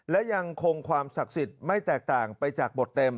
และยังคงความศักดิ์สิทธิ์ไม่แตกต่างไปจากบทเต็ม